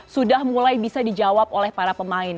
sudah mulai bisa dijawab oleh para pemain